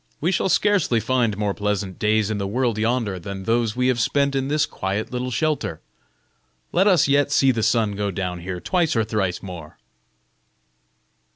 We shall scarcely find more pleasant days in the world yonder than those we have spent in this quiet little shelter. Let us yet see the sun go down here twice or thrice more."